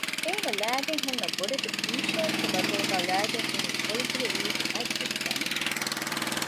އޭނަ ލައިގެން ހުންނަ ބޮޑެތި ޓީޝާޓުގެ ބަދަލުގައި ލައިގެން އިނީ ގޮޅިޖެހި ރީތި އަތްދިގު ގަމީހެއް